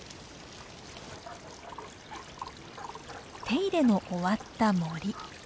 手入れの終わった森。